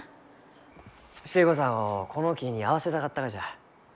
寿恵子さんをこの木に会わせたかったがじゃ。